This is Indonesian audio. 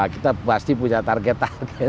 kita pasti punya target target